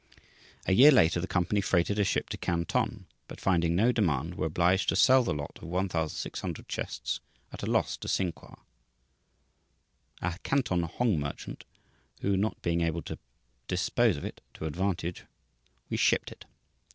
A year later the company freighted a ship to Canton, but finding no demand were obliged to sell the lot of 1,600 chests at a loss to Sinqua, a Canton "Hong merchant," who, not being able to dispose of it to advantage, reshipped it.